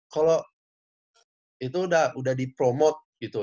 kalau itu udah dipromot gitu